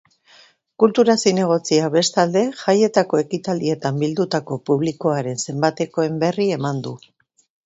Kultura zinegotziak, bestalde, jaietako ekitaldietan bildutako publikoaren zenbatekoen berri eman du.